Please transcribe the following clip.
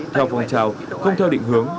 theo phòng trào không theo định hướng